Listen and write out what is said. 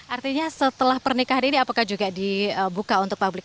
artinya setelah pernikahan ini apakah juga dibuka untuk publik